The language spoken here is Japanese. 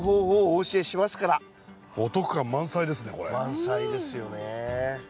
満載ですよね。